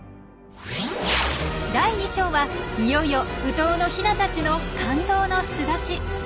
第２章はいよいよウトウのヒナたちの感動の巣立ち！